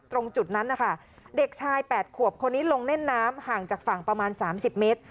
ตรงจุดนั้นนะคะเด็กชาย๘ขวบคนนี้ลงเล่นน้ำห่างจากฝั่งประมาณ๓๐เมตร